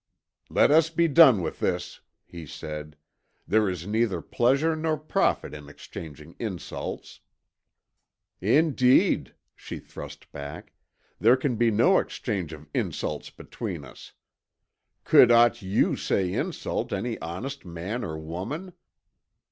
"Let us be done with this," he said. "There is neither pleasure nor profit in exchanging insults." "Indeed," she thrust back, "there can be no exchange of insults between us. Could aught you say insult any honest man or woman?